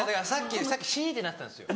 さっきしんってなってたんですよ。